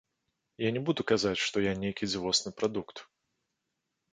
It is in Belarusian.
Я не буду казаць, што я нейкі дзівосны прадукт.